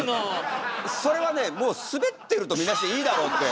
それはねもうスベってるとみなしていいだろうって